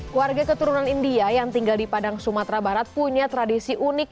keluarga keturunan india yang tinggal di padang sumatera barat punya tradisi unik